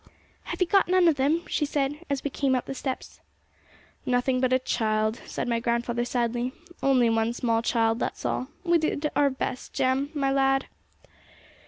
'Have you got none of them?' she said, as we came up the steps. 'Nothing but a child,' said my grandfather sadly. 'Only one small child, that's all. Well, we did our very best, Jem, my lad.'